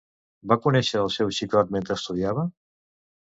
Va conèixer al seu xicot mentre estudiava?